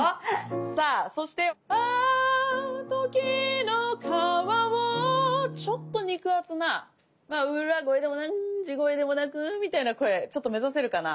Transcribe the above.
さあそしてああときのかわをちょっと肉厚な裏声でも地声でもなくみたいな声ちょっと目指せるかな。